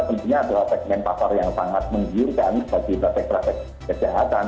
tentunya adalah teknik pakar yang sangat menggiurkan bagi prasek prasek kejahatan